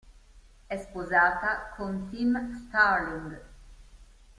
È sposata con Tim Starling.